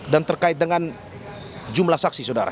dan terkait dengan jumlah saksi saudara